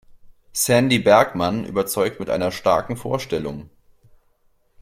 Sandy Bergmann überzeugt mit einer starken Vorstellung.